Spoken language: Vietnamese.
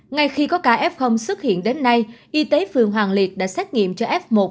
ngay khi có ca f xuất hiện đến nay y tế phường hoàng liệt đã xét nghiệm cho f một